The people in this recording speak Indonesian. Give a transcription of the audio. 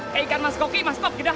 kayak ikan mas goki mas goki udah